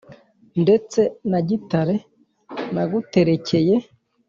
ndetse na gitare naguterekeye